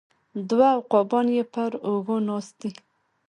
دوه عقابان یې پر اوږو ناست دي